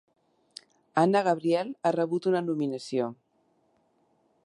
Ana Gabriel ha rebut una nominació.